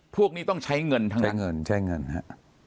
พวกนี้ต้องใช้เงินทั้งใช้เงินใช้เงินฮะ